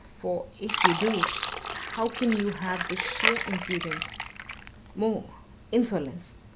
For, if you do, how can you have the sheer impudence more, insolence!